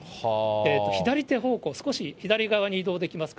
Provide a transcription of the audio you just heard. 左手方向、少し左側に移動できますか？